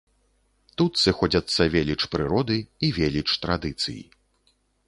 Тут сыходзяцца веліч прыроды і веліч традыцый.